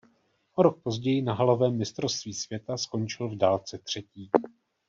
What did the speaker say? O rok později na halovém mistrovství světa skončil v dálce třetí.